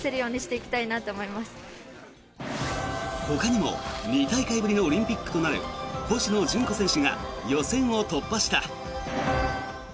ほかにも２大会ぶりのオリンピックとなる星野純子選手が予選を突破した。